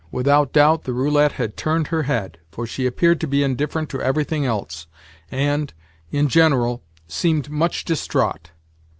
Without doubt the roulette had turned her head, for she appeared to be indifferent to everything else, and, in general, seemed much distraught.